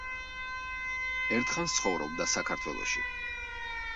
ერთხანს ცხოვრობდა საქართველოში.